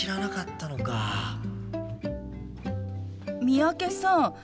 三宅さん